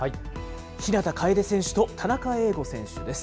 日向楓選手と、田中映伍選手です。